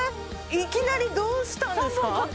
いきなりどうしたんですか？